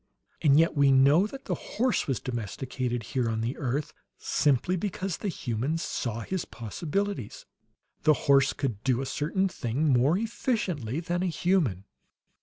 And yet we know that the horse was domesticated, here on the earth, simply because the humans saw his possibilities; the horse could do a certain thing more efficiently than a human.